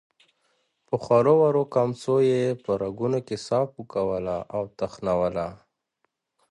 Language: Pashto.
په خورو ورو کمڅو يې په رګونو کې ساه پوکوله او تخنوله.